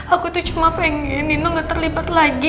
aku tuh cuma pengen nino gak terlibat lagi